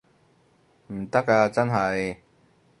唔得啊真係